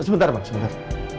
sebentar pak sebentar